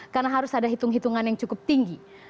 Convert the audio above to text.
karena harus ada hitung hitungan yang cukup tinggi